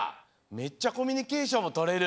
めっちゃコミュニケーションもとれる。